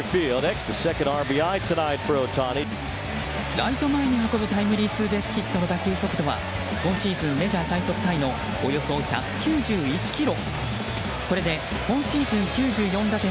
ライト前に運ぶタイムリーツーベースヒットの打球速度は今シーズンメジャー最速タイのおよそ１９１キロ。